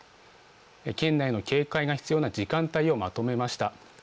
県内の警戒が必要な時間帯をまとめました。